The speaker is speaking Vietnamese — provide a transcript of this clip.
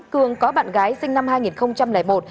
cường có bạn gái sinh năm hai nghìn một